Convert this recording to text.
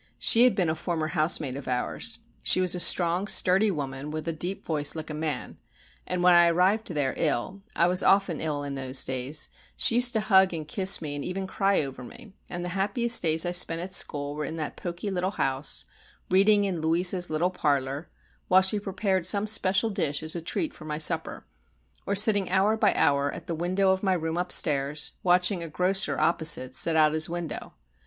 She had been a former housemaid of ours; she was a strong sturdy woman, with a deep voice like a man, and when I arrived there ill I was often ill in those days she used to hug and kiss me and even cry over me; and the happiest days I spent at school were in that poky little house, reading in Louisa's little parlour, while she prepared some special dish as a treat for my supper; or sitting hour by hour at the window of my room upstairs, watching a grocer opposite set out his window.